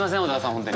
本当に。